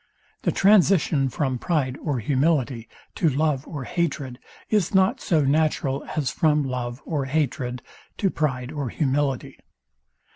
The transition from pride or humility to love or hatred is not so natural as from love or hatred to pride or humility.